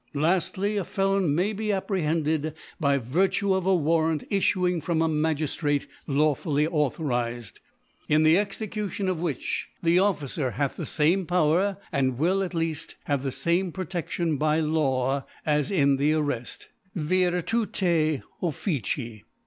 H 5 Laftly, ( 154 ) Laftly, A Felon may be apprehended by Virtue of a Warrant ifluing from a Ma giftrate lawfully authorized ; in the Execu tion of which the Officer hath the fame Power, and will, at leaft, have the fame Protedion by Law as in the Arreft Vir me Officii.